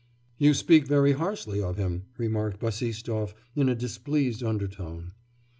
'You speak very harshly of him,' remarked Bassistoff, in a displeased undertone.